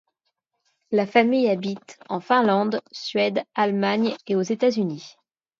La famille habite en Finlande, Suède, Allemagne et aux États-Unis.